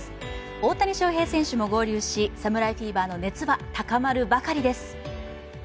大谷翔平選手も合流し侍フィーバーの熱は高まるばかりです。